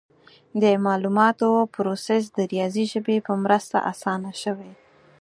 د معلوماتو پروسس د ریاضي ژبې په مرسته اسانه شوی.